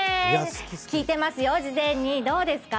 聞いてますよ、事前に、どうですか？